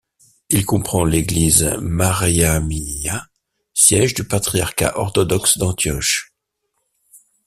Il comprend l'église Maryamiyya, siège du patriarcat orthodoxe d'Antioche.